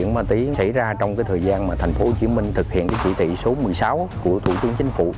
nói ra trong thời gian thành phố hồ chí minh thực hiện chỉ thị số một mươi sáu của thủ tướng chính phủ